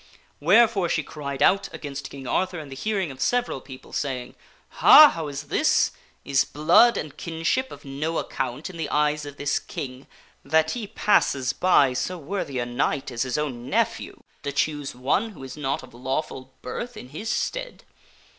Wherefore she cried out against King Arthur in the hearing of several people, saying: "Ha! how is this! is blood and fronted with kinship of no account in the eyes of this King that he passes King Arthur. ,,.,,.",,. by so worthy a knight as his own nephew to choose one who is not of lawful birth in his stead?